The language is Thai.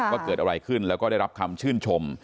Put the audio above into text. ว่าเกิดอะไรขึ้นแล้วก็ได้รับคำชื่นชม